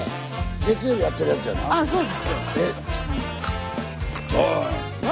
月曜日やってるやつやな？